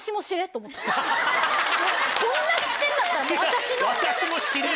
こんな知ってるんだったら私の。